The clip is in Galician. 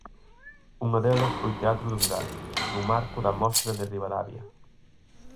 Unha delas foi Teatro do Vilar, no marco da Mostra de Ribadavia.